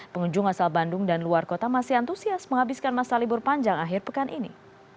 pengunjung asal bandung dan luar kota masih antusias menghabiskan masa libur panjang akhir pekan ini